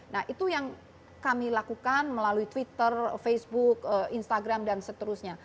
nah itu yang kami lakukan melalui twitter facebook instagram dan seterusnya